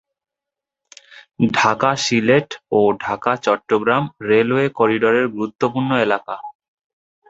ঢাকা-সিলেট ও Dhaka-Chittagong railway করিডোরের গুরুত্বপূর্ণ এলাকা।